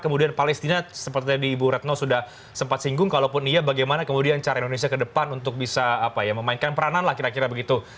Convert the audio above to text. kemudian palestina seperti tadi ibu retno sudah sempat singgung kalaupun iya bagaimana kemudian cara indonesia ke depan untuk bisa memainkan peranan lah kira kira begitu